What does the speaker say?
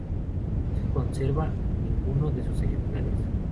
No se conserva ninguno de sus ejemplares.